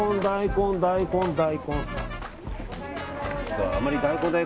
大根、大根。